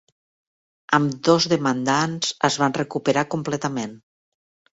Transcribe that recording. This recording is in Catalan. Ambdós demandants es van recuperar completament.